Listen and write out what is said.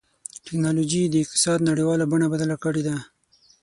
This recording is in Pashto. ټکنالوجي د اقتصاد نړیواله بڼه بدله کړې ده.